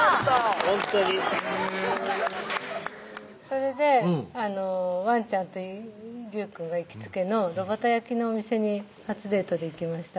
ほんとにへぇそれでわんちゃんと隆くんが行きつけの炉端焼きのお店に初デートで行きました